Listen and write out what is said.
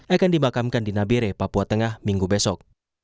akan dimakamkan di nabire papua tengah minggu besok